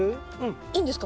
いいんですか？